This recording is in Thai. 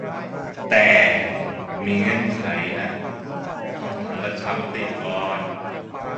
แต่มีเงื่อนไขต้องทำประชามติก่อน